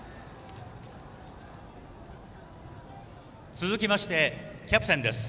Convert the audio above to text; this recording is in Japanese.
続きまして、キャプテンです。